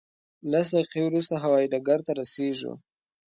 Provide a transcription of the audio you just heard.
لس دقیقې وروسته هوایي ډګر ته رسېږو.